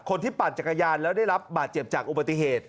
ปั่นจักรยานแล้วได้รับบาดเจ็บจากอุบัติเหตุ